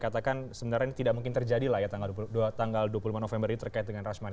katakan sebenarnya ini tidak mungkin terjadi lah ya tanggal dua puluh lima november ini terkait dengan rashmani